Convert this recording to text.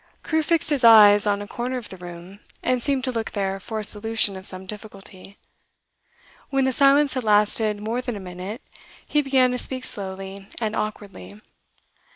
Crewe fixed his eyes on a corner of the room, and seemed to look there for a solution of some difficulty. When the silence had lasted more than a minute, he began to speak slowly and awkwardly.